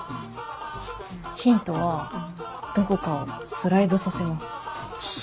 ヒントはどこかをスライドさせます。